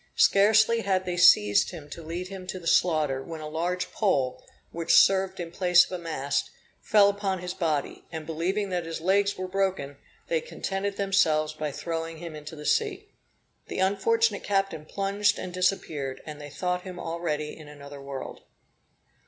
Scarcely had they seized him to lead him to the slaughter, when a large pole, which served in place of a mast, fell upon his body; and believing that his legs were broken, they contented themselves by throwing him into the sea. The unfortunate captain plunged and disappeared, and they thought him already in another world.